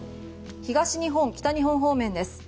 東日本、北日本方面です。